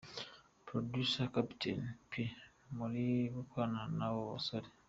Producer Captain P uri gukorana naba basore.